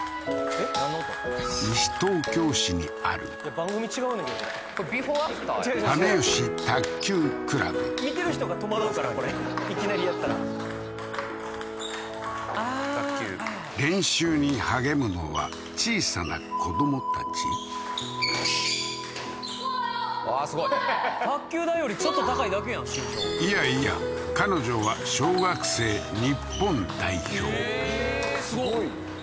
西東京市にある番組違うねんけどこれ羽佳卓球クラブ見てる人が戸惑うからこれいきなりやったら練習に励むのは小さなうわーすごい卓球台よりちょっと高いだけやん身長いやいや彼女は小学生日本代表ええーすごっ